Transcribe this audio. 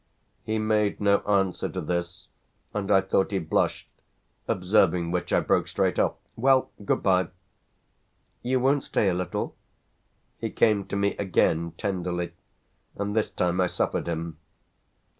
He made no answer to this, and I thought he blushed, observing which I broke straight off. "Well, goodbye." "You won't stay a little?" He came to me again tenderly, and this time I suffered him.